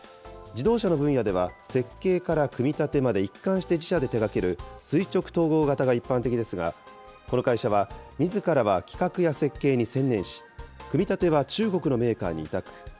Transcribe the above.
自動車の分野では設計から組み立てまで一貫して自社で手がける垂直統合型が一般的ですが、この会社は、みずからは企画や設計に専念し、組み立ては中国のメーカーに委託。